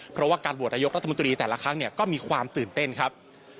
เพราะว่าการโหวตนายกรัฐมนตรีแต่ละครั้งเนี่ยก็มีความตื่นเต้นครับ